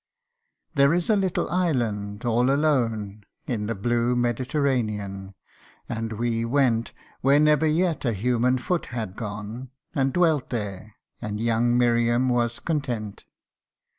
There is a little island all alone In the blue Mediterranean ; and we went Where never yet a human foot had gone, And dwelt there, and young Miriam was content.